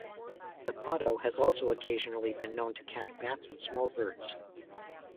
The potto has also occasionally been known to catch bats and small birds.